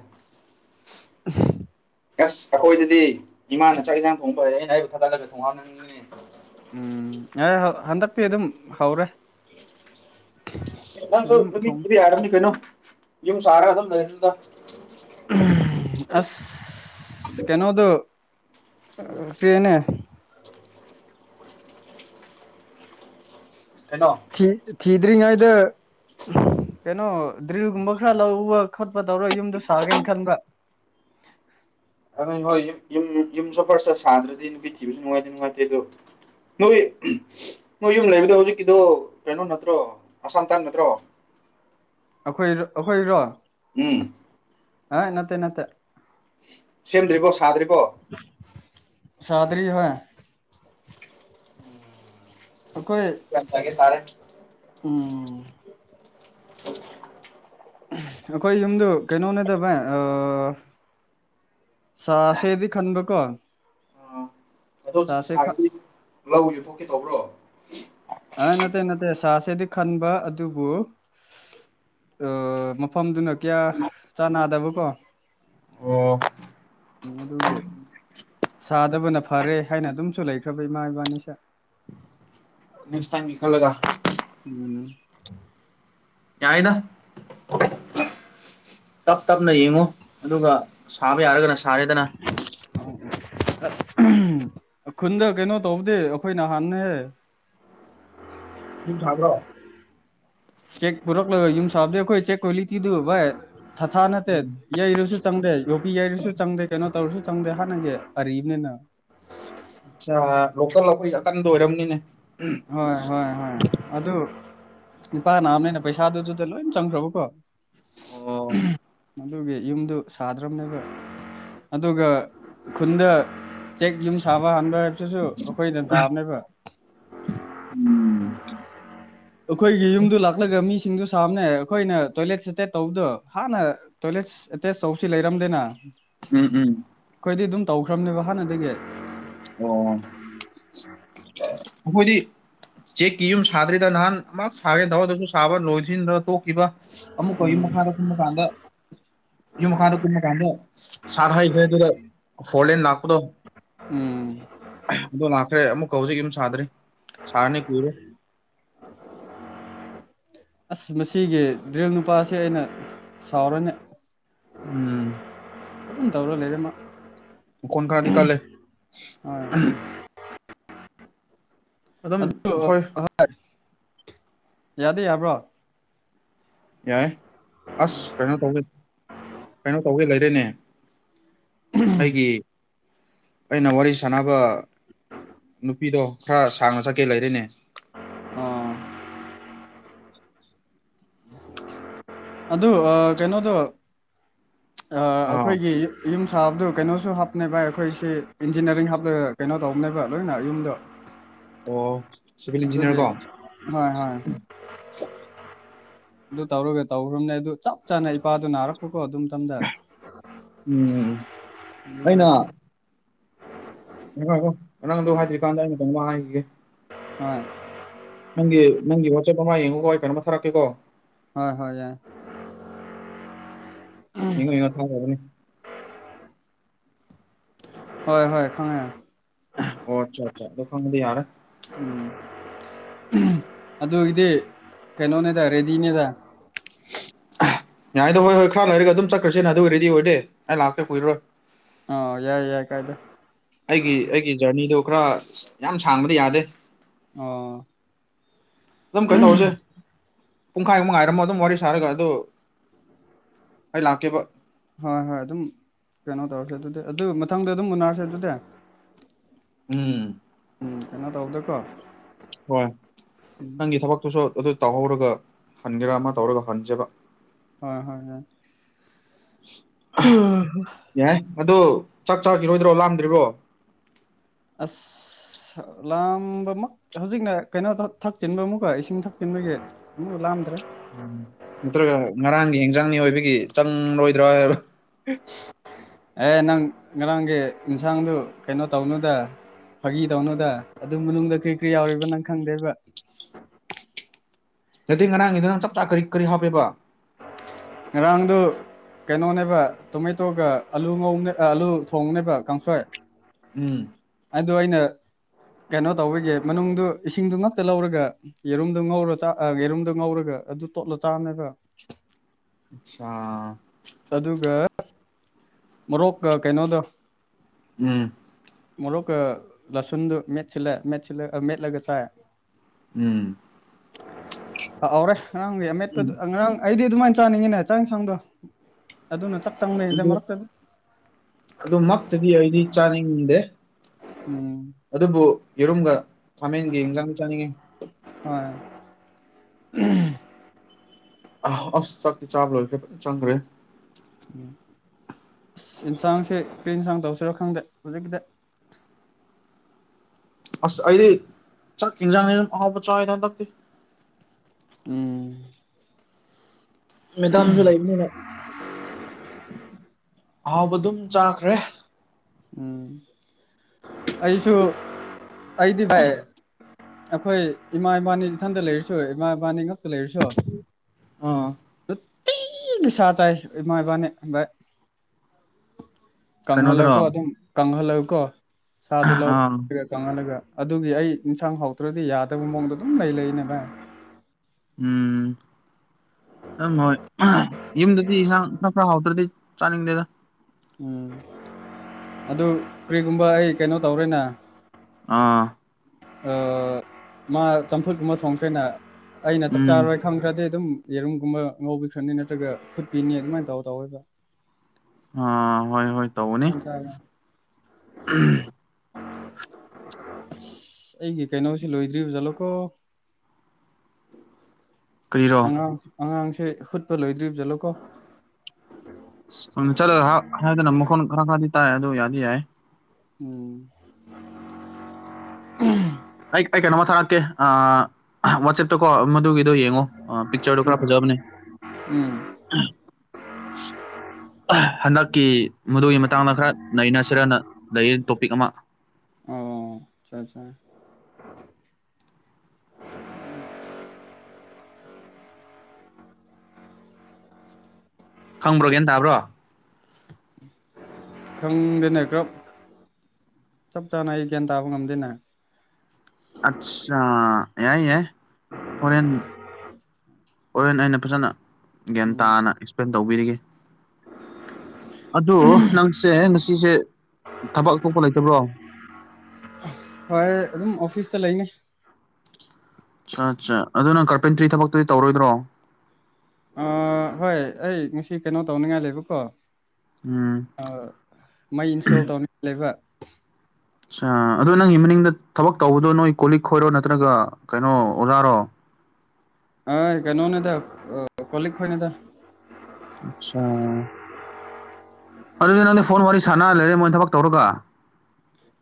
ꯑꯁ ꯑꯩꯈꯣꯏꯗꯗꯤ ꯏꯃꯥꯅ ꯆꯥꯛ ꯏꯟꯖꯥꯡ ꯊꯣꯡꯕ ꯑꯣꯏꯔꯦ ꯑꯩꯅ ꯑꯩꯕꯨ ꯊꯥꯒꯠꯂꯒ ꯊꯣꯡꯍꯥꯎꯅꯤꯡꯉꯤ ꯎꯝ ꯑꯦ ꯍꯟꯗꯛꯇꯤ ꯑꯗꯨꯝ ꯍꯧꯔꯦ ꯅꯪꯁꯨ ꯑꯗꯨꯝ ꯅꯨꯄꯤ ꯊꯣꯡ ꯊꯤꯕ ꯌꯥꯔꯕꯅꯤ ꯀꯩꯅꯣ ꯌꯨꯝ ꯁꯥꯔꯒ‌ ꯑꯗꯨꯝ ꯂꯩꯔꯖꯨ ꯎꯝ ꯑꯁ ꯀꯩꯅꯣꯗꯣ ꯀꯔꯤꯅꯦ ꯀꯩꯅꯣ ꯊꯤ ꯊꯤꯗ꯭ꯔꯤꯉꯩꯗ ꯀꯩꯅꯣ ꯗ꯭ꯔꯤꯜꯒꯨꯝꯕ ꯈꯔ ꯂꯧꯕ ꯈꯣꯠꯄ ꯇꯧꯔ ꯌꯨꯝꯗꯣ ꯁꯥꯒꯦꯅ ꯈꯟꯕ꯭ꯔꯥ *unintelligible* ꯍꯣꯏ ꯌꯨꯝ ꯌꯨꯝꯁꯨ ꯐ꯭ꯔꯁꯠ ꯁꯥꯗ꯭ꯔꯗꯤ ꯅꯨꯄꯤ ꯊꯤꯕꯁꯨ ꯅꯨꯡꯉꯥꯏꯇꯦ ꯅꯨꯡꯉꯥꯏꯇꯦ ꯑꯗꯣ ꯅꯣꯏ ꯅꯣꯏ ꯌꯨꯝ ꯂꯩꯕꯗ ꯍꯧꯖꯤꯛꯀꯤꯗꯨꯣ ꯀꯩꯅꯣ ꯅꯠꯇ꯭ꯔꯣ ꯑꯁꯥꯝꯇꯥꯏꯟ ꯅꯠꯇ꯭ꯔꯣ ꯑꯩꯈꯣꯏꯔ ꯑꯩꯈꯣꯏꯔꯣ ꯎꯝ ꯑ ꯅꯠꯇꯦ ꯅꯠꯇꯦ ꯁꯦꯝꯗ꯭ꯔꯤꯕꯣ ꯁꯥꯗ꯭ꯔꯤꯕꯣ ꯁꯥꯥꯗꯔꯤ ꯍꯣꯏ *inaudible* ꯑꯩꯈꯣꯏ ꯒ꯭ꯌꯥꯟ ꯇꯥꯒꯦ ꯇꯥꯔꯦ ꯎꯝ *unintelligible* ꯑꯩꯈꯣꯏ ꯌꯨꯝꯗꯨ ꯀꯩꯅꯣꯅꯦꯗ ꯚꯥꯏ ꯑ ꯁꯥꯁꯦꯗꯤ ꯈꯟꯕꯀꯣ ꯑꯥ ꯑꯗꯣ ꯁꯥꯁꯦ ꯈ ꯁꯥꯒꯤꯗꯤ ꯂꯧ ꯌꯣꯛꯊꯣꯛꯀꯦ ꯇꯧꯕ꯭ꯔꯣ ꯑ ꯅꯠꯇꯦ ꯅꯠꯇꯦ ꯁꯥꯥꯁꯦꯗꯤ ꯈꯟꯕ ꯑꯗꯨꯕꯨ ꯑ ꯃꯐꯝꯗꯨꯅ ꯀꯌꯥ ꯆꯥꯅꯥꯗꯕꯀꯣ ꯑꯣ ꯎꯝ ꯑꯗꯨꯒꯤ ꯁꯥꯗꯕꯅ ꯐꯔꯦ ꯍꯥꯏꯅ ꯑꯗꯨꯝꯁꯨ ꯂꯩꯈ꯭ꯔꯕ ꯏꯃꯥ ꯏꯕꯥꯅꯤꯁꯦ ꯅꯦꯛꯁ ꯇꯥꯏꯝꯒꯤ ꯈꯜꯂꯒ *unintelligible* ꯌꯥꯏꯗ ꯇꯞ ꯇꯞꯅ ꯌꯦꯡꯉꯨ ꯑꯗꯨꯒ ꯁꯥꯕ ꯌꯥꯔꯒꯅ ꯁꯥꯔꯦꯗꯅ ꯈꯨꯟꯗ ꯀꯩꯅꯣ ꯇꯧꯕꯧꯗꯦ ꯑꯩꯈꯣꯏ ꯅꯍꯥꯟꯍꯦ ꯌꯨꯝ ꯁꯥꯕ꯭ꯔꯣ ꯆꯦꯛ ꯄꯨꯔꯛꯂꯒ ꯌꯨꯝ ꯁꯥꯕꯗꯤ ꯑꯩꯈꯣꯏ ꯆꯦꯛ ꯀ꯭ꯋꯥꯂꯤꯇꯤꯗꯨ ꯚꯥꯏ ꯊꯥꯊꯥ ꯅꯠꯇꯦ ꯎꯝ ꯌꯩꯔꯨꯁꯨ ꯆꯪꯗꯦ ꯌꯣꯄꯤ ꯌꯩꯔꯁꯨ ꯆꯪꯗꯦ ꯀꯩꯅꯣ ꯇꯧꯔꯁꯨ ꯆꯪꯗꯦ ꯍꯥꯟꯅꯒꯤ ꯑꯔꯤꯕꯅꯤꯅ ꯆꯥ ꯂꯣꯀꯜ ꯑꯩꯈꯣꯏ ꯑꯀꯟꯗꯣ ꯑꯣꯏꯔꯝꯅꯤꯅꯦ ꯍꯣꯏ ꯍꯣꯏ ꯍꯣꯏ ꯑꯗꯨ ꯏꯄꯥ ꯅꯕꯅꯤꯅ ꯄꯩꯁꯥꯗꯨꯗꯨꯗ ꯂꯣꯏ ꯆꯪꯈ꯭ꯔꯕꯀꯣ ꯑꯣ ꯑꯗꯨꯒꯤ ꯌꯨꯝꯗꯨ ꯁꯥꯗ꯭ꯔꯕꯅꯦꯕ ꯑꯗꯨꯒ ꯈꯨꯟꯗ ꯆꯦꯛ ꯌꯨꯝ ꯁꯥꯕ ꯍꯥꯟꯕ ꯍꯥꯏꯕꯁꯤꯁꯨ ꯑꯩꯈꯣꯏꯗꯟ ꯇꯥꯕꯅꯦꯕ ꯎꯝ ꯑꯩꯈꯣꯏꯒꯤ ꯌꯨꯝꯗꯨ ꯂꯥꯛꯂꯒ ꯃꯤꯁꯤꯡꯗꯨ ꯁꯥꯕꯅ ꯑꯩꯈꯣꯏꯅ ꯇꯣꯏꯂꯦꯠ ꯁꯦꯇꯦꯠ ꯇꯧꯕꯗꯣ ꯍꯥꯟꯅ ꯇꯣꯏꯂꯦꯠ ꯑꯦꯇꯩꯁ ꯇꯧꯕꯁꯤ ꯂꯩꯔꯝꯗꯦꯅ ꯎꯝ ꯎꯝ ꯑꯩꯈꯣꯏꯗꯤ ꯑꯗꯨꯝ ꯇꯧꯈ꯭ꯔꯕꯅꯦꯕ ꯍꯥꯟꯅꯗꯒꯤ ꯑꯣ ꯑꯩꯈꯣꯏꯗꯤ ꯆꯦꯛꯀꯤ ꯌꯨꯝ ꯁꯥꯗ꯭ꯔꯤꯗ ꯅꯍꯥꯟ ꯑꯃꯨ ꯁꯥꯒꯦ ꯇꯧꯔꯗꯁꯨ ꯁꯥꯕ ꯂꯣꯏꯁꯤꯟꯗ ꯇꯣꯛꯈꯤꯕ ꯑꯃꯨꯛꯀ ꯌꯨꯝ ꯎꯝ ꯃꯈꯥꯟꯗ ꯀꯨꯝꯕ ꯀꯥꯟꯗ ꯌꯨꯝ ꯃꯈꯥꯗ ꯀꯨꯃ ꯀꯥꯟꯗ ꯁꯥꯠ ꯍꯥꯏꯈ꯭ꯔꯦꯗꯨꯒ ꯐꯣꯔꯂꯦꯟ ꯂꯥꯛꯄꯗꯣ ꯎꯝ ꯑꯗꯣ ꯂꯥꯛꯈ꯭ꯔꯦ ꯑꯃꯨꯛ ꯍꯧꯖꯤꯛ ꯌꯨꯝ ꯁꯥꯗꯔꯤ ꯁꯥꯔꯅꯤ ꯀꯨꯏꯔꯣꯏ ꯑꯁ ꯃꯁꯤꯒꯤ ꯗ꯭ꯔꯤꯜ ꯅꯨꯄꯥꯁꯦ ꯑꯩꯅ ꯁꯥꯎꯔꯅꯦ ꯎꯝ ꯑꯗꯨꯝ ꯇꯧꯔ ꯂꯩꯔꯦ ꯃꯥ ꯃꯈꯣꯟ ꯈꯔꯗꯤ ꯀꯜꯂꯦ ꯍꯣꯏ ꯑꯗꯨꯝ ꯍꯣꯏ ꯌꯥꯗꯦ ꯌꯥꯕ꯭ꯔꯣ ꯌꯥꯏ ꯑꯁ ꯀꯩꯅꯣ ꯇꯧꯒꯦ ꯀꯩꯅꯣ ꯇꯧꯒꯦ ꯂꯩꯔꯦꯅꯦ ꯑꯩꯒꯤ ꯑꯩꯅ ꯋꯥꯔꯤ ꯁꯥꯟꯅꯕ ꯅꯨꯄꯤꯗꯣ ꯈꯔ ꯁꯥꯡꯅ ꯆꯠꯀꯦ ꯂꯩꯔꯅꯦ ꯑꯣ ꯑꯗꯨ ꯀꯩꯅꯣꯗꯣ ꯑꯥ ꯑꯩꯈꯣꯏꯒꯤ ꯌꯨꯝ ꯁꯥꯕꯗꯨ ꯀꯩꯅꯣꯁꯨ ꯍꯥꯞꯅꯦꯕ ꯑꯩꯈꯣꯏꯁꯤ ꯏꯟꯖꯤꯅꯤꯌꯥꯔꯤꯡꯞꯒ ꯀꯩꯅꯣ ꯇꯧꯕꯅꯦꯕ ꯂꯣꯏꯅ ꯌꯨꯝꯗꯣ ꯑꯣ ꯁꯤꯚꯤꯜ ꯏꯟꯖꯤꯅꯤꯌꯥꯔ ꯑꯗꯨꯒꯤ ꯀꯣ ꯍꯣꯏ ꯍꯣꯏ ꯑꯗꯨ ꯇꯧꯔꯒ ꯇꯧꯈ꯭ꯔꯕꯅꯦ ꯑꯗꯨ ꯆꯞ ꯆꯥꯅ ꯏꯄꯥꯗꯨ ꯅꯥꯔꯛꯄꯀꯣ ꯑꯗꯨꯝꯊꯝꯗ ꯎꯝ ꯑꯩꯅ ꯑꯪꯉꯣ ꯅꯪꯗꯣ ꯍꯥꯏꯗ꯭ꯔꯤꯀꯥꯟꯗ ꯑꯩꯅ ꯀꯩꯅꯣꯝ ꯍꯥꯏꯈꯤꯒꯦ ꯎ ꯅꯪꯒꯤ ꯅꯪꯒꯤ ꯋꯥꯆꯦꯞ ꯑꯃ ꯌꯦꯡꯉꯣꯀꯣ ꯑꯩ ꯀꯩꯅꯣꯝ ꯑꯃ ꯊꯥꯛꯀꯦꯀꯣ ꯍꯣꯏ ꯍꯣꯏ ꯌꯥꯏ ꯌꯦꯡꯉꯣ ꯌꯦꯡꯉꯣ ꯊꯥꯔꯒꯅꯤ ꯍꯣꯏ ꯍꯣꯏ ꯈꯪꯉꯦ ꯑꯣ ꯑꯆꯥ ꯑꯆꯥ ꯗꯗꯨ ꯐꯗꯤ ꯌꯥꯔ ꯎꯝ ꯑꯗꯨꯒꯤꯗꯤ ꯀꯩꯅꯣꯅꯦꯗ ꯔꯦꯗꯤꯅꯦꯗ ꯌꯥꯥꯏꯗꯣ ꯍꯣꯏ ꯍꯣꯏ ꯈꯔ ꯂꯩꯔꯒ ꯑꯗꯨꯝ ꯆꯠꯈ꯭ꯔꯁꯤꯅ ꯑꯗꯨ ꯔꯦꯗꯤ ꯑꯣꯏꯗꯦ ꯑꯩ ꯂꯥꯛꯀꯦ ꯀꯨꯢꯔꯔꯣꯏ ꯑꯣ ꯌꯥꯏ ꯌꯥꯏ ꯀꯥꯏꯗ ꯑꯩꯒꯤ ꯑꯩꯒꯤ ꯖꯔꯅꯤꯗꯣ ꯈꯔ ꯌꯥꯝ ꯁꯥꯡꯕꯗꯤ ꯌꯥꯗꯦ ꯑꯣ ꯑꯗꯨꯝ ꯀꯩꯅꯣ ꯇꯧꯔꯁꯦ ꯄꯨꯡꯈꯥꯏꯃꯨꯛ ꯉꯥꯏꯔꯝꯃꯣ ꯑꯗꯨꯝ ꯋꯥꯔꯤ ꯁꯥꯔꯒ ꯑꯗꯨ ꯑꯩ ꯂꯥꯛꯀꯦꯕ ꯍꯣꯏ ꯍꯣꯏ ꯑꯗꯨꯝ ꯀꯩꯅꯣ ꯇꯧꯔꯁꯦ ꯑꯗꯨꯗꯤ ꯑꯗꯨ ꯃꯊꯪꯗ ꯑꯗꯨꯝ ꯎꯅꯔꯁꯦ ꯑꯗꯨꯗꯤ ꯎꯝ ꯎꯝ ꯀꯩꯅꯣ ꯇꯧꯕꯗꯣꯀꯣ ꯍꯣꯏ ꯅꯪꯒꯤ ꯊꯕꯛꯇꯨꯁꯨ ꯑꯗꯨ ꯇꯧꯍꯧꯔꯒ ꯍꯟꯒꯦꯔꯥ ꯑꯃ ꯇꯧꯔꯒ ꯍꯟꯁꯦꯕ ꯍꯣꯏ ꯍꯣꯏ ꯌꯥ ꯌꯥꯏ ꯑꯗꯨꯗꯣ ꯆꯥꯛ ꯆꯥꯈꯤꯔꯣꯏꯗ꯭ꯔꯣ ꯂꯥꯝꯗ꯭ꯔꯤꯕꯣ ꯑꯐ ꯂꯥꯝꯕꯃꯛ ꯍꯧꯖꯤꯛꯅ ꯀꯩꯅꯣ ꯊꯛꯆꯤꯟꯕ ꯑꯃꯨꯛꯀ ꯏꯁꯤꯡ ꯊꯛꯆꯤꯟꯕꯒꯤ ꯎꯝ ꯂꯝꯗ꯭ꯔꯦ ꯎꯝ ꯅꯠꯇ꯭ꯔꯒ ꯉꯔꯥꯡꯒꯤ ꯌꯦꯟꯖꯥꯡꯅꯤ ꯑꯣꯏꯕꯒꯤ ꯆꯪꯂꯔꯣꯏꯗ꯭ꯔꯥ ꯍꯥꯏꯕ ꯑꯦ ꯅꯪ ꯉꯔꯥꯡꯒꯤ ꯌꯦꯟꯁꯥꯡꯗꯨ ꯀꯩꯅꯣ ꯇꯧꯅꯨꯗ ꯐꯥꯒꯤ ꯇꯧꯅꯣꯗ ꯑꯗꯨ ꯃꯅꯨꯡꯗ ꯀꯔꯤ ꯀꯔꯤ ꯌꯥꯎꯔꯤꯕ ꯅꯪ ꯈꯪꯗꯦꯕ ꯅꯗꯗꯤ ꯉꯔꯥꯡꯒꯤꯗ ꯅꯪ ꯆꯞ ꯆꯥ ꯀꯔꯤ ꯀꯔꯤ ꯍꯥꯞꯄꯦꯕ ꯉꯥꯔꯥꯡꯗꯨ ꯀꯩꯅꯣꯅꯦꯕ ꯇꯣꯃꯦꯇꯣꯒ ꯑꯂꯨ ꯉꯧꯅꯦ ꯑꯂꯨ ꯊꯣꯡꯅꯦꯕ ꯀꯥꯡꯁꯣꯏ ꯎꯝ ꯑꯗꯨ ꯑꯩꯅ ꯀꯩꯅꯣ ꯇꯧꯕꯒꯤ ꯃꯅꯨꯡꯗꯨ ꯏꯁꯤꯡꯗꯨ ꯉꯛꯇ ꯂꯧꯔꯒ ꯌꯦꯔꯨꯝꯗ ꯉꯧꯔ ꯆ ꯌꯦꯔꯨꯝꯗ ꯉꯧꯔꯒ ꯑꯗꯨ ꯇꯣꯠꯂ ꯆꯥꯅꯦꯕ ꯑꯆꯥ ꯑꯗꯨꯒ ꯃꯔꯣꯛ ꯀꯩꯅꯣꯗꯣ ꯎꯝ ꯃꯣꯔꯣꯛꯀ ꯂꯁꯨꯟꯗꯨ ꯃꯦꯠꯁꯤꯜꯂꯦ ꯃꯦꯠꯁꯤꯜꯂꯦ ꯃꯦꯠꯂꯒ ꯆꯥꯏ ꯎꯝ ꯥꯎꯔꯦ ꯉꯔꯥꯡꯒꯤ ꯑꯃꯦꯠꯄ ꯎꯝ ꯉꯔꯥꯡ ꯑꯩꯗꯤ ꯑꯗꯨꯃꯥꯏꯅ ꯆꯞ ꯆꯥꯅꯤꯡꯉꯤꯅꯦ ꯆꯥꯡ ꯌꯦꯟꯁꯥꯡꯗꯣ ꯑꯗꯨꯅ ꯆꯥꯛ ꯆꯪꯅꯉꯩꯗꯩ ꯑꯗꯨ ꯃꯔꯛꯇꯗꯤ ꯑꯗꯨꯃꯛꯇꯗꯤ ꯑꯩꯗꯤ ꯆꯥꯅꯤꯡꯗꯦ ꯎꯝ ꯑꯗꯨꯕꯨ ꯌꯦꯔꯨꯝꯒ ꯈꯥꯃꯦꯟꯒꯤ ꯌꯦꯟꯖꯥꯡ ꯆꯥꯅꯤꯡꯉꯤ ꯍꯣꯏ ꯎꯝ ꯑ ꯑꯁ ꯆꯥꯛꯤ ꯆꯥꯕ ꯂꯣꯏꯈ꯭ꯔꯦ ꯆꯪꯈ꯭ꯔꯦ ꯎꯝ ꯑꯁ ꯌꯦꯟꯁꯥꯡꯁꯦ ꯀꯔꯤ ꯏꯟꯁꯥꯡ ꯇꯧꯁꯤꯔꯣ ꯈꯪꯗꯦ ꯍꯧꯖꯤꯛꯀꯤꯗ ꯑꯁ ꯑꯩꯗꯤ ꯆꯥꯛꯈꯤꯖꯥꯡꯅꯤ ꯑꯍꯥꯎꯕ ꯆ ꯇꯛꯇꯦ ꯎꯝ ꯃꯦꯗꯥꯝꯁꯨ ꯂꯩꯕꯅꯤꯅ ꯑꯍꯥꯎꯕ ꯑꯗꯨꯝ ꯆꯥꯈ꯭ꯔꯦ ꯎꯝ ꯑꯩꯁꯨ ꯑꯩꯗꯤ ꯚꯥꯏ ꯑꯩꯈꯣꯏ ꯏꯃꯥ ꯏꯕꯥꯅꯤ ꯏꯊꯟꯇ ꯂꯩꯔꯁꯨ ꯏꯃꯥ ꯏꯕꯥꯅꯤ ꯉꯛꯇ ꯂꯩꯔꯁꯨ ꯑꯥ ꯅꯨꯪꯇꯤꯒꯤ ꯅꯤꯁꯥꯥ ꯆꯥꯏ ꯃꯣꯏꯕꯥꯅꯤ ꯑ ꯀꯩꯅꯣꯗꯔꯣ ꯀꯪꯍꯜꯂꯨꯀꯣ ꯑꯗꯨꯝ ꯀꯪꯍꯜꯂꯎꯀꯣ ꯁꯥꯗꯨ ꯂꯧ ꯑꯥ ꯆꯪꯍꯜꯂꯒ ꯑꯗꯨꯒꯤ ꯑꯩ ꯏꯟꯁꯥꯡ ꯍꯥꯎꯇ꯭ꯔꯗꯤ ꯌꯥꯗꯕ ꯃꯑꯣꯡꯗ ꯑꯗꯨꯝ ꯂꯩ ꯂꯩꯏꯅꯦ ꯚꯥꯏ ꯎꯝ ꯑꯗꯨꯝ ꯍꯣꯏ ꯌꯨꯝꯗꯗꯤ ꯏꯟꯁꯥꯡ ꯅꯥ ꯈ ꯍꯥꯎꯗ꯭ꯔꯗꯤ ꯆꯥꯅꯤꯡꯗꯦꯗ ꯎꯝ ꯑꯗꯨ ꯀꯔꯤꯒꯨꯝꯕ ꯑꯩ ꯀꯩꯅꯣ ꯇꯧꯔꯦꯅ ꯑꯥ ꯃꯥ ꯆꯝꯐꯨꯠꯀꯨꯝꯕ ꯊꯣꯡꯈ꯭ꯔꯦꯅ ꯑꯩꯅ ꯆꯥꯛ ꯎꯝ ꯆꯥꯔꯣꯏ ꯐꯪꯈ꯭ꯔꯗꯤ ꯑꯗꯨꯝ ꯌꯦꯔꯨꯝꯒꯨꯝꯕ ꯉꯧꯕꯤꯈ꯭ꯔꯅꯤ ꯅꯠꯇ꯭ꯔꯒ ꯐꯨꯠꯄꯤꯅꯤ ꯑꯗꯨꯃꯥꯏꯅ ꯇꯧ ꯇꯧꯋꯦꯕ ꯑ ꯍꯣꯏ ꯍꯣꯏ ꯇꯧꯕꯅꯤ ꯀꯁꯔ ꯑꯩꯒꯤ ꯀꯩꯅꯣꯁꯤ ꯂꯣꯏꯗ꯭ꯔꯤꯕ ꯖꯥꯠꯂꯣꯀꯣ ꯇꯥꯗꯔꯦ *inaudible* ꯑꯉꯥꯡꯁ ꯑꯉꯥꯡꯁꯦ ꯍꯨꯠꯄ ꯂꯣꯏꯗ꯭ꯔꯤꯕ ꯖꯠꯂꯣꯀꯣ ꯑꯗꯨ ꯆꯠꯂ ꯍꯥꯏꯗꯅ ꯃꯈꯣꯟ ꯈꯔ ꯈꯔꯗꯤ ꯇꯥꯏ ꯑꯗꯨ ꯌꯥꯗꯤ ꯌꯥꯏ ꯎꯝ ꯑꯩ ꯑꯩ ꯀꯩꯅꯣꯝꯃ ꯊꯥꯔꯛꯀꯦ ꯋꯥꯆꯦꯞꯇ ꯀꯣ ꯃꯗꯨꯒꯤ ꯗꯣ ꯌꯦꯡꯉꯣ ꯄꯤꯛꯆꯔꯗꯣ ꯎꯝ ꯈꯔ ꯐꯖꯕꯅꯦ ꯎꯝ ꯍꯟꯗꯛꯀꯤ ꯃꯗꯨꯒꯤ ꯃꯇꯥꯡꯗ ꯈꯔ ꯅꯩꯅꯁꯤꯔꯅ ꯂꯩ ꯇꯣꯄꯤꯛ ꯑꯃ ꯑꯣ ꯑꯆꯥ ꯑꯆꯥ ꯈꯪꯕ꯭ꯔꯣꯒ꯭ꯌꯥꯟ ꯇꯥꯕ꯭ꯔꯣ ꯈꯪꯗꯦꯅꯦ ꯔꯕ ꯆꯞ ꯆꯥꯅ ꯑꯩ ꯒꯌꯥꯟ ꯇꯥꯕ ꯉꯝꯗꯦꯅꯦ ꯑꯆꯥꯥ ꯌꯥꯏ ꯌꯥꯏ ꯍꯣꯔꯦꯟ ꯍꯣꯔꯦꯟ ꯑꯩꯅ ꯐꯖꯅ ꯒ꯭ꯌꯥꯟ ꯎꯝ ꯇꯥꯅ ꯑꯦꯛꯁꯄ꯭ꯂꯦꯟ ꯇꯧꯕꯤꯔꯤꯒꯦ ꯑꯗꯣ ꯅꯪ ꯁꯁꯦ ꯉꯁꯤꯁꯦ ꯊꯕꯛ ꯑꯇꯣꯞꯄ ꯂꯩꯇꯕ꯭ꯔꯣ ꯍꯣꯏ ꯑꯗꯨꯝ ꯑꯣꯐꯤꯁꯇ ꯂꯩꯅꯤ ꯑꯆꯥ ꯑꯠꯆꯥ ꯑꯗꯨꯅ ꯀꯥꯔꯄꯦꯟꯇ꯭ꯔꯤ ꯊꯕꯛꯇꯨꯗꯤ ꯇꯧꯔꯣꯏꯗ꯭ꯔꯣ ꯍꯣꯏ ꯑꯩ ꯉꯁꯤ ꯀꯩꯅꯣ ꯇꯧꯅꯤꯡꯉꯥꯏ ꯂꯩꯕꯀꯣ ꯎꯝ ꯃꯩ ꯏꯟꯁꯇꯣꯜ ꯇꯧꯅꯤꯡꯉ ꯂꯩꯕ ꯑ ꯑꯗꯣ ꯅꯪꯒꯤ ꯃꯅꯤꯡꯗ ꯊꯕꯛ ꯇꯧꯕꯗꯣ ꯅꯣꯏ ꯀꯣꯂꯤꯛ ꯈꯣꯏꯔꯣ ꯅꯠꯇ꯭ꯔꯒ ꯀꯩꯅꯣ ꯑꯣꯖꯥꯔꯣ ꯑ ꯀꯩꯅꯣꯅꯤꯗ ꯑ ꯀꯜꯛ ꯈꯅꯦꯗ ꯑꯆꯥ ꯑꯗꯨꯗꯤ ꯅꯪꯗꯤ ꯐꯣꯟ ꯋꯥꯔꯤ ꯁꯥꯟꯅꯔ ꯂꯩꯔꯦ ꯃꯣꯏꯅ ꯊꯕꯛ ꯇꯧꯔꯒ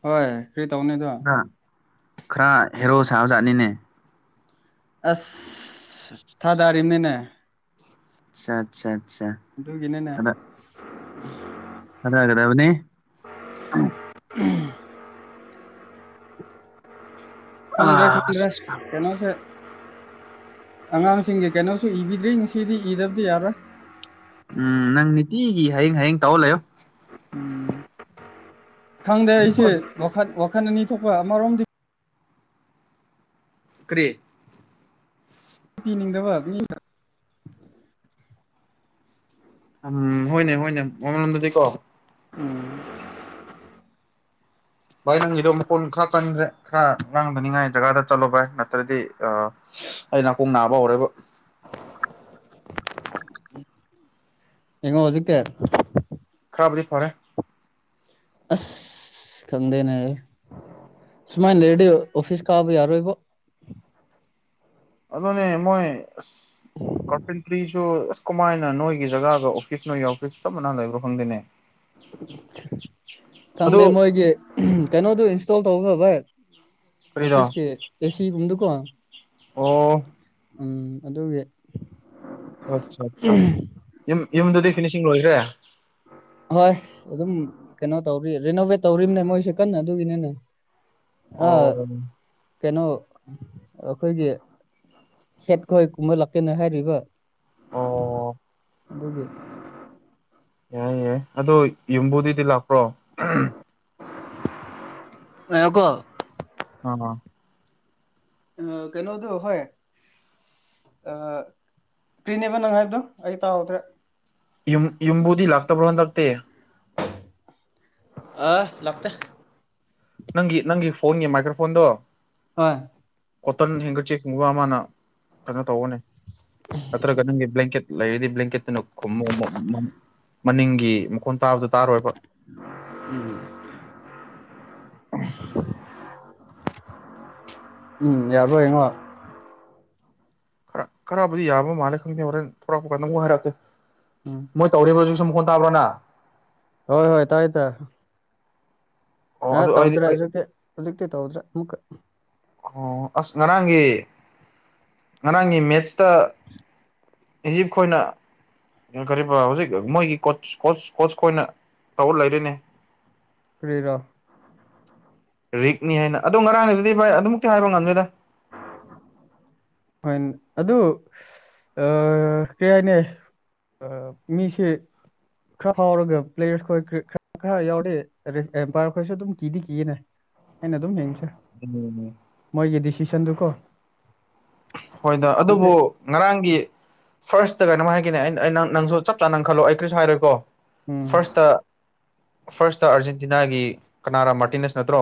ꯍꯣꯏ ꯀꯔꯤ ꯇꯧꯅꯤ ꯑꯗꯣ ꯈ ꯈꯔ ꯍꯦꯔꯣ ꯁꯥꯕꯖꯥꯠꯅꯤꯅꯦ ꯑꯁ ꯊꯥꯗꯥꯔꯤꯝꯅꯤꯅꯦ ꯑꯆꯥ ꯑꯆꯥ ꯑꯆꯥ ꯑꯗꯨꯒꯤ ꯅꯪꯅ ꯑꯗ ꯍꯥꯏꯒꯗꯕꯅꯤ ꯑ ꯈꯪꯗ꯭ꯔꯦ ꯈꯪꯗ꯭ꯔꯦ ꯀꯩꯅꯣꯁꯦ ꯑꯉꯥꯡꯁꯤꯡꯒꯤ ꯀꯩꯅꯣꯁꯨ ꯏꯕꯤꯗ꯭ꯔꯤ ꯉꯁꯤꯗꯤ ꯏꯗꯕꯗꯤ ꯌꯥꯔꯣꯏ ꯎꯝ ꯅꯪ ꯅꯤꯇꯤꯒꯤ ꯍꯌꯦꯡ ꯍꯌꯦꯡ ꯇꯧꯔ ꯂꯩꯌꯣ ꯈꯪꯗꯦ ꯑꯩꯁꯦ ꯋꯥꯈꯜ ꯋꯥꯈꯜ ꯑꯅꯤ ꯊꯣꯛꯄ ꯑꯃꯔꯣꯝꯗꯤ ꯀ꯭ꯔꯤ ꯄꯤꯅꯤꯡꯗꯕ ꯃꯤ ꯎꯝ ꯍꯣꯏꯅꯦ ꯍꯣꯏꯅꯦ ꯃꯜꯂꯝꯗꯗꯤꯀꯣ ꯎꯝ ꯚꯥꯏ ꯅꯪꯒꯤꯗꯣ ꯃꯈꯣꯟ ꯈꯔ ꯀꯟꯈ꯭ꯔꯦ ꯈꯔ ꯉꯔꯥꯡꯊꯅꯤꯉꯥꯏ ꯖꯒꯥꯗ ꯆꯠꯂꯣ ꯚꯥꯏ ꯅꯠꯇ꯭ꯔꯗꯤ ꯑ ꯑꯩ ꯅꯥꯀꯣꯡ ꯅꯥꯕ ꯍꯧꯔꯦꯕꯣ ꯌꯦꯡꯉꯣ ꯍꯧꯖꯤꯛ ꯇꯤ ꯈꯔꯕꯗꯤ ꯐꯔꯦ ꯑꯁ ꯈꯪꯗꯦꯅꯦ ꯁꯨꯃꯥꯏꯅ ꯂꯩꯔꯗꯤ ꯑꯣꯐꯤꯁ ꯀꯥꯕ ꯌꯥꯔꯣꯏꯕꯣ ꯑꯗꯨꯅꯦ ꯃꯣꯏ ꯀꯥꯔꯄꯦꯟꯇ꯭ꯔꯤꯁꯨ ꯑꯁ ꯀꯃꯥꯏꯅ ꯅꯣꯏꯒꯤ ꯖꯒꯥꯒ ꯑꯣꯐꯤꯁ ꯅꯣꯏ ꯌꯥꯎꯒꯁꯨ ꯆꯞ ꯃꯅꯥ ꯂꯩꯕ꯭ꯔꯣ ꯈꯪꯗꯦꯅꯦ ꯑꯗꯨ ꯈꯪꯗꯦ ꯃꯣꯏꯒꯤ ꯀꯩꯅꯣꯗꯨ ꯏꯟꯁꯇꯣꯜ ꯇꯧꯈ꯭ꯔ ꯚꯥꯏ ꯀꯔꯤꯔꯣ ꯑꯣꯐꯤꯁ ꯀ ꯑꯦꯁꯤ ꯀꯨꯝꯗꯀꯣ ꯑꯣ ꯎꯝ ꯑꯗꯨꯒꯤ ꯑꯠ ꯑꯠꯆꯥ ꯌꯨꯝ ꯌꯨꯝꯗꯨꯗꯤ ꯐꯤꯅꯤꯁꯤꯡ ꯂꯣꯏꯈ꯭ꯔꯦ ꯍꯣꯏ ꯑꯗꯨꯝ ꯀꯩꯅꯣ ꯇꯧꯔꯤ ꯔꯤꯅꯣꯚꯦꯠ ꯇꯧꯔꯤꯝꯅꯦ ꯃꯣꯏꯁꯦ ꯀꯟꯅ ꯑꯗꯨꯒꯤꯅꯅꯦ ꯑ ꯑꯣ ꯀꯩꯅꯣ ꯑꯩꯈꯣꯏꯒꯤ ꯁꯦꯠ ꯈꯍꯣꯏ ꯀꯨꯝꯍ ꯂꯥꯛꯀꯦꯅꯦ ꯍꯥꯏꯔꯤꯕ ꯑꯣ ꯑꯗꯨꯒꯤ ꯌꯥꯏ ꯌꯥꯏ ꯑꯗꯣ ꯌꯨꯝꯕꯨꯗꯨꯗꯤ ꯂꯥꯛꯄ꯭ꯔꯣ ꯄꯥꯏꯌꯣꯀꯣ ꯑꯥ ꯑ ꯀꯩꯅꯣꯗꯣ ꯍꯣꯏ ꯑꯥ ꯀ꯭ꯔꯤꯅꯦꯕ ꯅꯪ ꯍꯥꯏꯕꯗꯣ ꯑꯩ ꯇꯥꯍꯧꯗ꯭ꯔꯦ ꯌꯨꯝ ꯌꯨꯝꯕꯨꯗꯤ ꯂꯥꯛꯇꯕ꯭ꯔꯣ ꯍꯟꯗꯛꯇꯤ ꯑ ꯂꯥꯛꯇꯦ ꯅꯪꯒꯤ ꯅꯪꯒꯤ ꯐꯣꯟꯒꯤ ꯃꯥꯏꯀ꯭ꯔꯣꯐꯣꯟꯗꯣ ꯑꯥ ꯑꯧꯇꯝ ꯗꯤ ꯍꯦꯡꯀꯔꯆꯤꯞ ꯀꯨꯝꯕ ꯑꯃꯥꯅ ꯀꯩꯅꯣ ꯇꯧꯕꯥꯅꯦ ꯅꯠꯇ꯭ꯔꯒ ꯅꯪꯒꯤ ꯕ꯭ꯂꯥꯡꯀꯦꯠ ꯂꯩꯔꯗꯤ ꯕ꯭ꯂꯦꯡꯀꯦꯠꯇꯨꯅ ꯈꯨꯝꯃꯨ ꯃꯅꯤꯡꯒꯤ ꯃꯈꯣꯟ ꯇꯥꯕꯗꯣ ꯇꯥꯔꯣꯏꯕ ꯎꯝ ꯎꯝ ꯌꯥꯕꯔꯥ ꯌꯦꯡꯉꯣ ꯈꯔ ꯈꯔꯕꯨꯗꯤ ꯌꯥꯕ ꯃꯥꯜꯂꯦ ꯈꯪꯗꯦ ꯍꯣꯔꯦꯟ ꯊꯣꯔꯛꯄ ꯀꯗ ꯑꯃꯕꯨꯛ ꯍꯥꯏꯔꯛꯀꯦ ꯎꯝ ꯃꯣꯏ ꯇꯧꯔꯤꯕ ꯍꯧꯁꯨ ꯁꯨꯝ ꯐꯣꯟ ꯇꯥꯕ꯭ꯔꯣꯅ ꯍꯣꯏ ꯍꯣꯏ ꯇꯥꯏ ꯇ ꯑꯣ ꯑ ꯑꯗꯨ ꯑꯩꯗꯤ ꯇꯧꯗ꯭ꯔꯦ ꯑꯩ ꯑꯖꯛꯇꯦ ꯍꯧꯖꯤꯛꯇꯤ ꯇꯧꯗ꯭ꯔꯦ ꯃꯛ ꯑꯣ ꯑꯁ ꯉꯔꯥꯡꯒꯤ ꯉꯔꯥꯡꯒꯤ ꯃꯦꯠꯁꯇ ꯏꯖꯤꯞ ꯈꯣꯏꯅ ꯀꯔꯤꯕ ꯍꯧꯖꯤꯛ ꯃꯣꯏꯒꯤ ꯀꯣꯁ ꯀꯣꯁ ꯀꯣꯁ ꯈꯣꯏꯅ ꯇꯧ ꯂꯩꯔꯤꯅꯦ ꯀꯔꯤꯔꯥ ꯔꯤꯛꯅꯤ ꯍꯥꯏꯅ ꯑꯗꯣ ꯉꯔꯥꯡꯒꯤꯗꯨꯗꯤ ꯚꯥꯏ ꯑꯗꯨꯃꯛꯇꯤ ꯍꯥꯏꯕ ꯉꯝꯗꯦꯗ ꯍꯣꯏ ꯑꯗꯨ ꯑ ꯀꯩ ꯍꯥꯏꯅꯤ ꯑꯥ ꯃꯤꯁꯦ ꯈꯔ ꯐꯥꯎꯔꯒ ꯄ꯭ꯂꯦꯌꯔꯁ ꯈꯣꯏ ꯈꯔ ꯈꯔ ꯈꯔ ꯌꯥꯎꯔꯗꯤ ꯑꯦꯝꯄꯥꯌꯔ ꯈꯣꯏꯁꯨ ꯑꯗꯨꯝ ꯀꯤꯗꯤ ꯀꯤꯌꯦꯅꯦ ꯑꯩꯅ ꯑꯗꯨꯝ ꯌꯦꯡꯁꯦ ꯎꯝ ꯃꯣꯏꯒꯤ ꯗꯤꯁꯤꯁꯟꯗꯨꯀꯣ ꯍꯣꯏꯗꯥ ꯍꯥꯏꯕꯗꯤ ꯑꯗꯨꯕꯨ ꯉꯔꯥꯡꯒꯤ ꯐꯥꯔꯁꯇ ꯀꯩꯅꯣꯝ ꯍꯥꯏꯒꯦꯅꯦ ꯑꯩꯅ ꯅꯪꯁꯨ ꯆꯞ ꯆꯥꯅ ꯈꯜꯂꯣ ꯑꯩ ꯀꯔꯤꯁꯨ ꯍꯥꯏꯔꯣꯏꯀꯣ ꯎꯝ ꯐꯥꯔꯁꯇ ꯐꯥꯔꯁꯇ ꯑꯥꯔꯖꯦꯟꯇꯤꯅꯥꯒꯤ ꯀꯅꯥꯔꯥ ꯃꯔꯇꯤꯅꯦꯁ ꯅꯠꯇ꯭ꯔꯣ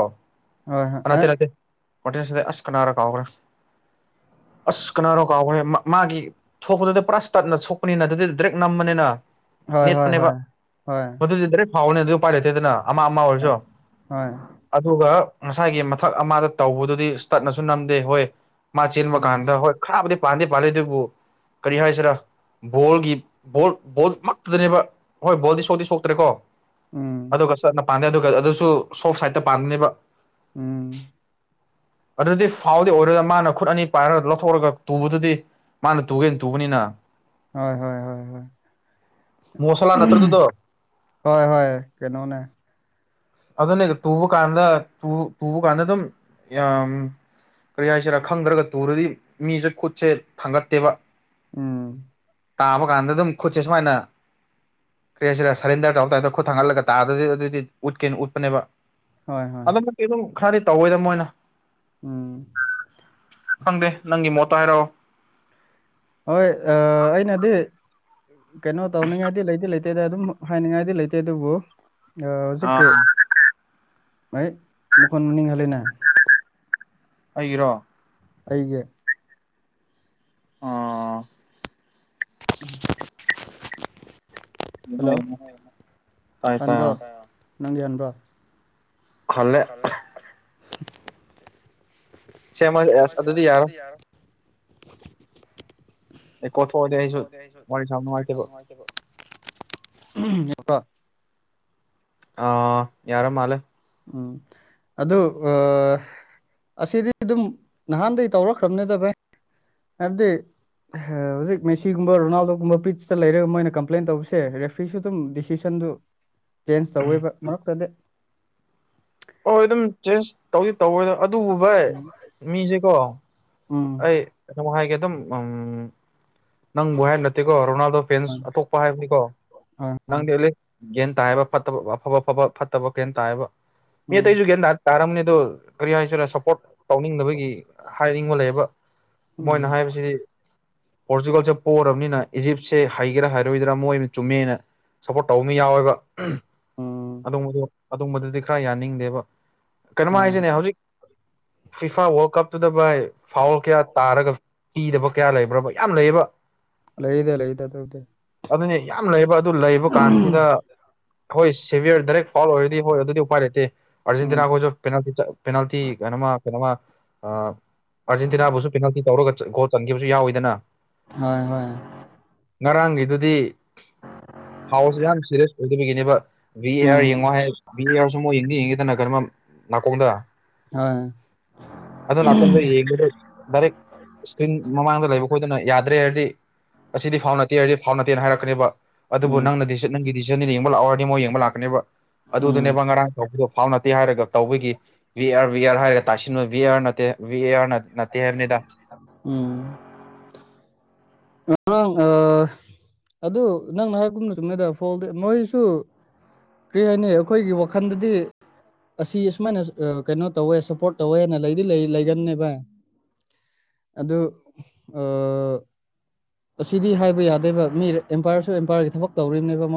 ꯍꯣꯏ ꯍꯣꯏ ꯅꯠꯇꯦ ꯑꯦ ꯅꯠꯇꯦ ꯃꯔꯇꯤꯅꯦꯁ ꯅꯠꯇꯦ ꯑꯁ ꯀꯅꯔ ꯀꯥꯎꯒ꯭ꯔꯦ ꯑꯁ ꯀꯅꯥꯅꯣ ꯀꯥꯎꯈ꯭ꯔꯦ ꯃꯥ ꯃꯥꯒꯤ ꯊꯣꯛꯄꯗꯨꯗꯤ ꯄꯨꯔꯥ ꯏꯁꯇꯠꯅ ꯁꯣꯛꯄꯅꯤꯅ ꯑꯗꯨꯗ ꯗꯥꯏꯔꯦꯛ ꯅꯝꯕꯅꯤꯅ ꯍꯣꯏ ꯍꯣꯏ ꯅꯦꯠꯄꯅꯦꯕ ꯍꯣꯏ ꯍꯣꯏ ꯃꯗꯨꯗꯤ ꯗꯥꯏꯔꯦꯛ ꯐꯥꯎꯅꯦ ꯑꯗꯨ ꯎꯄꯥꯏ ꯂꯩꯇꯦꯗꯅ ꯑꯃ ꯑꯃ ꯍꯣꯏ ꯑꯣꯏꯔꯁꯨ ꯍꯣꯏ ꯑꯗꯨꯒ ꯉꯁꯥꯏꯒꯤ ꯃꯊꯛ ꯑꯃꯗ ꯇꯧꯕꯗꯨꯗꯤ ꯏꯁꯇꯠ ꯅꯁꯨ ꯅꯝꯗꯦ ꯍꯣꯏ ꯃꯁꯦ ꯎꯝ ꯀꯥꯟꯗ ꯍꯣꯏ ꯈꯔꯕꯨꯗꯤ ꯄꯥꯟꯗꯤ ꯄꯥꯜꯂꯦ ꯑꯗꯨꯕꯨ ꯀꯔꯤ ꯍꯥꯏꯁꯤꯔ ꯕꯣꯜꯒꯤ ꯕꯣꯜ ꯕꯣꯜ ꯃꯛꯇꯗꯅꯦꯕ ꯍꯣꯏ ꯕꯣꯜꯗꯤ ꯁꯣꯛꯇꯤ ꯁꯣꯛꯇ꯭ꯔꯦꯀꯣ ꯎꯝ ꯑꯗꯨꯒ ꯆꯠꯅ ꯄꯥꯟꯗꯦ ꯑꯗꯨꯒ ꯑꯗꯨꯁꯨ ꯁꯣꯞ ꯁꯥꯏꯗ ꯄꯥꯟꯕꯅꯦꯕ ꯎꯝ ꯑꯗꯨꯗꯤ ꯐꯥꯎꯗꯤ ꯑꯣꯏꯔꯣꯏꯗꯥ ꯃꯥꯅ ꯈꯨꯠ ꯑꯅꯤ ꯄꯥꯏꯔ ꯂꯧꯊꯣꯛꯔꯒ ꯇꯨꯕꯗꯨꯗꯤ ꯃꯥꯅ ꯇꯨꯒꯦꯅ ꯇꯨꯕꯅꯤꯅ ꯍꯣꯏ ꯍꯣꯏ ꯍꯣꯏ ꯍꯣꯏ ꯃꯣꯁꯂꯥ ꯅꯠꯇ꯭ꯔꯗꯨꯗꯣ ꯍꯣꯏ ꯍꯣꯏ ꯀꯩꯅꯣꯅꯦ ꯑꯗꯨꯅꯦ ꯇꯨꯕ ꯀꯥꯟꯗ ꯇꯨꯕ ꯇꯨꯕ ꯀꯥꯟꯗ ꯑꯗꯨꯝ ꯌꯥꯝ ꯀꯔꯤ ꯍꯥꯏꯁꯤꯔꯥ ꯈꯪꯗ꯭ꯔꯒ ꯇꯨꯔꯗꯤ ꯃꯤꯁꯦ ꯈꯨꯠꯁꯦ ꯊꯥꯡꯒꯠꯇꯦꯕ ꯎꯝ ꯇꯥꯕ ꯀꯥꯟꯗ ꯑꯗꯨꯝ ꯈꯨꯠꯁꯦ ꯁꯨꯃꯥꯏꯅ ꯀꯔꯤꯍꯥꯏꯁꯤꯔꯥ ꯁꯔꯦꯟꯗꯔ ꯇꯧ ꯇꯕꯗ ꯈꯨꯠ ꯊꯥꯡꯒꯠꯂꯒ ꯇꯥꯕꯥ ꯑꯗꯨꯗꯤ ꯎꯠꯀꯦꯅ ꯎꯠꯄꯅꯦꯕ ꯍꯣꯏ ꯍꯣꯏ ꯑꯗꯨꯃꯛꯇꯤ ꯑꯗꯨꯝ ꯈꯔꯗꯤ ꯇꯧꯏꯗ ꯃꯣꯏꯅ ꯎꯝ ꯈꯪꯗꯦ ꯅꯪꯒꯤ ꯃꯣꯠꯇꯣ ꯍꯥꯏꯔꯛꯑꯣ ꯍꯣꯏ ꯑꯩꯅꯗꯤ ꯀꯩꯅꯣ ꯇꯧꯅꯤꯡꯉꯥꯏꯗꯤ ꯂꯩꯇꯦ ꯂꯩꯇꯦꯗ ꯑꯗꯨꯝ ꯍꯥꯏꯅꯤꯡꯉꯥꯏꯗꯤ ꯂꯩꯇꯦ ꯑꯗꯨꯕꯨ ꯦꯀꯦ ꯑꯥ ꯑꯩꯩ ꯃꯨꯈꯣꯟ ꯃꯨꯅꯤꯡ ꯍꯥꯜꯂꯦꯅ ꯑꯩꯒꯤꯔꯣ ꯑꯩꯒꯤ ꯑ *unintelligible* ꯌꯦꯡꯉꯣ ꯍꯜꯂꯣ ꯌꯦꯡꯉꯣ ꯇꯥꯏ ꯇꯥꯏ ꯍꯟꯕ꯭ꯔꯣ ꯑꯥ ꯅꯪꯒꯤ ꯍꯟꯕ꯭ꯔꯣ ꯈꯜꯂꯦ *unintelligible* ꯁꯃ ꯑꯦꯁ ꯑꯗꯨꯗꯤ ꯌꯥꯔꯣꯏ ꯔꯦꯀ‌ꯣꯔ ꯊꯣꯛꯑꯗꯤ ꯑꯩꯁꯨ ꯋꯥꯔꯤ ꯁꯥꯕ ꯅꯨꯡꯉꯥꯏꯇꯦꯕ *unintelligible* ꯑ ꯌꯔꯥ ꯃꯜꯂꯦ ꯎꯝ ꯑꯗꯨ ꯑ ꯑꯁꯤꯗꯤ ꯑꯗꯨꯝ ꯅꯍꯥꯟꯗꯒꯤ ꯇꯧꯔꯛꯈ꯭ꯔꯕꯅꯦꯗ ꯚꯥꯏ ꯍꯥꯏꯕꯗꯤ ꯍꯧꯖꯤꯛ ꯃꯦꯁꯤꯒꯨꯝꯕ ꯔꯣꯅꯥꯜꯗꯣꯒꯨꯝꯕ ꯄꯤꯆꯇ ꯂꯩꯔꯒ ꯃꯣꯏꯅ ꯀꯝꯄ꯭ꯂꯦꯟ ꯇꯧꯕꯁꯦ ꯔꯦꯐ꯭ꯔꯤꯁꯨ ꯑꯗꯨꯝ ꯗꯤꯁꯤꯖꯟꯗꯨ *inaudible* ꯆꯦꯟꯖ ꯇꯧꯏꯕ ꯃꯔꯛꯇꯗꯤ ꯍꯍꯣꯏ ꯑꯗꯨꯝ ꯆꯦꯟꯖ ꯇꯧꯗꯤ ꯇꯧꯗ ꯑꯗꯨꯕꯨ ꯚꯥꯏ ꯃꯤꯁꯦꯀꯣ ꯑꯣ ꯅꯪ ꯕꯍ ꯅꯠꯇꯀꯣ ꯔꯣꯅꯥꯜꯗꯣ ꯍꯣꯏ ꯐꯦꯟꯁ ꯑꯇꯣꯞꯄ ꯍꯥꯏꯕꯅꯤꯀꯣ ꯍꯣꯏ ꯅꯪꯗꯤꯂꯤ ꯒ꯭ꯟ ꯇꯥꯏꯑꯕ ꯐꯠꯇꯕ ꯑꯐꯕ ꯑꯐꯕ ꯐꯠꯇꯕ ꯒꯦꯟ ꯇꯥꯏꯕ ꯃꯤ ꯎꯝ ꯑꯇꯩꯁꯨ ꯒ꯭ꯟ ꯇꯥ ꯇꯥꯔꯝꯅꯤ ꯑꯗꯣ ꯀꯔꯤ ꯍꯥꯏꯁꯤꯔꯥ ꯁꯞꯄꯣꯔꯠ ꯇꯧꯅꯤꯡꯗꯕꯒꯤ ꯍꯥꯏꯅꯤꯡꯕ ꯂꯩꯕ ꯎꯝ ꯃꯣꯏꯅ ꯍꯥꯏꯕꯁꯤꯗꯤ ꯄꯣꯔꯆꯨꯒꯥꯜꯁꯦ ꯄꯣꯛꯔꯕꯅꯤꯅ ꯏꯖꯤꯞꯁꯦ ꯍꯒꯦꯔꯥ ꯍꯥꯏꯔꯣꯏꯗꯔꯥ ꯃꯣꯏꯅ ꯆꯨꯝꯃꯦꯅ ꯁꯞꯄꯣꯔꯠ ꯇꯧꯕ ꯑꯃ ꯌꯥꯎꯋꯦꯕ ꯎꯝ ꯑꯗꯨꯝꯕ ꯑꯗꯨꯝꯕꯗꯨꯗꯤ ꯈꯔ ꯌꯥꯅꯤꯡꯗꯦꯕ ꯀꯩꯅꯣꯝ ꯍꯣꯏ ꯍꯥꯏꯁꯤꯅꯦ ꯍꯧꯖꯤꯛ ꯐꯤꯐꯥ ꯋꯥꯔꯜ ꯀꯞꯇꯨꯗ ꯚꯥꯏ ꯐꯥꯎꯜ ꯀꯌꯥ ꯇꯥꯔꯒ ꯄꯤꯗꯕ ꯀꯌꯥ ꯂꯩꯕ꯭ꯔꯕ ꯌꯥꯝ ꯂꯩꯌꯦꯕ ꯂꯩꯗ ꯂꯩꯗ ꯑꯗꯨꯕꯨꯗꯤ ꯑꯗꯨꯅꯦ ꯌꯥꯝ ꯂꯩꯌꯦꯕ ꯑꯗꯨ ꯂꯩꯕ ꯀꯥꯟꯁꯤꯗ ꯍꯣꯏ ꯁꯦꯚꯌꯔ ꯗꯥꯏꯔꯦꯛ ꯐꯥꯎꯜ ꯑꯣꯏꯔꯗꯤ ꯍꯣꯏ ꯑꯗꯨꯗꯤ ꯎꯄꯥꯏ ꯂꯩꯇꯦ ꯎꯝ ꯑꯔꯖꯦꯟꯇꯤꯅꯥ ꯀꯁꯨ ꯄꯦꯅꯥ ꯄꯦꯅꯥꯜꯇꯤ ꯀꯩꯅꯅ ꯀꯩꯅꯣ ꯑ ꯑꯥꯔꯖꯦꯟꯇꯤꯅꯥꯕꯨꯁꯨ ꯄꯦꯅꯥꯜꯇꯤ ꯇꯧꯔꯒ ꯒꯣꯜ ꯆꯟꯈꯤꯕꯁꯨꯎꯋꯏꯗꯅ ꯍꯣꯏ ꯍꯣꯏ ꯉꯔꯥꯡꯒꯤꯗꯨꯗꯤ ꯍꯥꯎꯁꯦ ꯌꯥꯝ ꯁꯤꯦꯔꯤꯌꯁ ꯑꯣꯏꯗꯕꯒꯤꯅꯦꯕ ꯚ ꯑꯦ ꯑꯥꯔ ꯎꯝ ꯌꯦꯡꯉꯣ ꯍꯥꯏ ꯚ ꯑꯦ ꯑꯥꯔꯁꯨ ꯃꯨꯛ ꯌꯦꯡꯗ ꯌꯦꯡꯒꯦꯗꯅ ꯀꯩꯅꯣꯃ ꯅꯥꯀꯣꯡꯗ ꯍ ꯒ ꯔꯦ ꯏꯁꯀ꯭ꯔꯤꯟ ꯃꯃꯥꯡꯗ ꯂꯩꯕ ꯈꯣꯏꯗꯅ ꯌꯥꯗ꯭ꯔꯦ ꯍꯥꯏꯔꯗꯤ ꯑꯁꯤꯗꯤ ꯐꯥꯎ ꯅꯠꯇꯦ ꯍꯥꯏꯔꯗꯤ ꯐꯥꯎ ꯅꯠꯇꯦꯅ ꯍꯥꯏꯔꯛꯀꯅꯦꯕ ꯑꯗꯨꯕꯨ ꯎꯝ ꯅꯪꯅ ꯗꯤ ꯅꯪꯒꯤ ꯗꯤꯁꯤꯖꯟ ꯌꯦꯡꯕ ꯂꯥꯛꯑꯣꯔꯗꯤ ꯃꯣꯏ ꯌꯦꯡꯕ ꯂꯥꯛꯀꯅꯦꯕ ꯎꯝ ꯑꯗꯨꯗꯨꯅꯦꯕ ꯉꯔꯥꯡ ꯇꯧꯕꯗꯣ ꯐꯥꯎ ꯅꯠꯇꯦ ꯍꯥꯏꯔꯒ ꯇꯧꯕꯒꯤ ꯕꯤ ꯑꯥꯔ ꯕꯤ ꯑꯥꯔ ꯍꯥꯏꯔꯒ ꯇꯥꯏꯁꯤꯟꯕ ꯚꯕꯤ ꯑꯦ ꯑꯥꯔ ꯅꯠꯇꯦ ꯕꯤ ꯑꯦ ꯑꯥꯔ ꯅꯅꯥꯄꯤ ꯍꯥꯏꯕꯅꯤꯗ ꯎꯝ ꯉꯔꯥꯡ ꯑꯗꯨ ꯅꯪ ꯉꯍꯥꯛꯀꯨꯝꯅ ꯆꯨꯝꯅꯗ ꯐꯣꯗ ꯃꯣꯏꯁꯨ ꯀꯔꯤ ꯍꯥꯏꯅꯤ ꯑꯩꯈꯣꯏꯒꯤ ꯋꯥꯈꯜꯗꯗꯤ ꯑꯁꯤ ꯑꯁꯨꯃꯥꯏꯅ ꯀꯩꯅꯣ ꯇꯧꯋꯦ ꯁꯞꯄꯣꯔꯠ ꯇꯧꯋꯦꯅ ꯂꯩꯗꯤ ꯂꯩ ꯂꯩꯒꯅꯦꯕ ꯑꯗꯨ ꯑ ꯑꯁꯤꯗꯤ ꯍꯥꯏꯕ ꯌꯥꯗꯦꯕ ꯃꯤ ꯑꯦꯝꯄꯥꯌꯔꯁꯨ ꯑꯦꯝꯄꯥꯌꯔꯒꯤ ꯊꯕꯛ ꯇꯧꯔꯤꯕꯅꯦꯕ